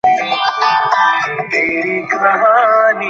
তোমাকে ছাড়াই এসব করতে পারতাম।